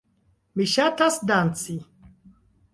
Mi ŝatas danci.